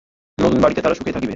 নতুন বাড়িতে তারা সুখেই থাকিবে।